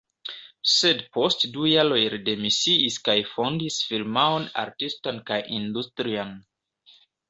Sed post du jaroj li demisiis kaj fondis firmaon artistan kaj industrian.